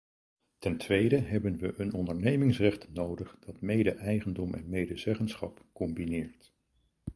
Ten tweede hebben we een ondernemingsrecht nodig dat mede-eigendom en medezeggenschap combineert.